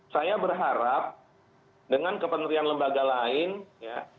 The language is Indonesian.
saya berharap dengan kementerian lembaga lain ya